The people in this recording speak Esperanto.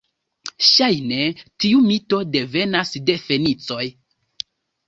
Ŝajne, tiu mito devenas de fenicoj.